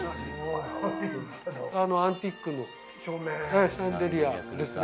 アンティークのシャンデリアですね。